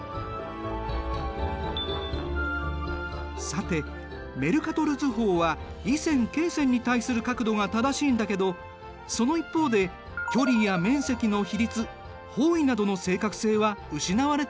さてメルカトル図法は緯線・経線に対する角度が正しいんだけどその一方で距離や面積の比率方位などの正確性は失われているんだ。